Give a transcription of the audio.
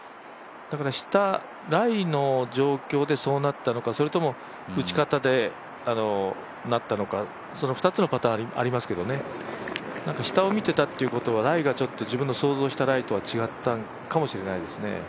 だから下、ライの状況でそうなったのか打ち方でなったのか２つのパターンありますので下を見てたというのがライがちょっと自分が想像したのと違ったって感じですね。